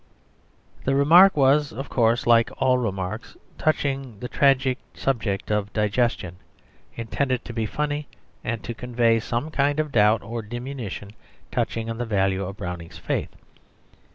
The remark was, of course, like all remarks touching the tragic subject of digestion, intended to be funny and to convey some kind of doubt or diminution touching the value of Browning's faith.